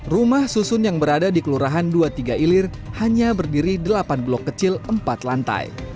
rumah susun yang berada di kelurahan dua puluh tiga ilir hanya berdiri delapan blok kecil empat lantai